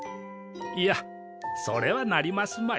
いやそれはなりますまい。